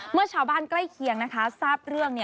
เมื่อชาวบ้านใกล้เคียงทราบเรื่อง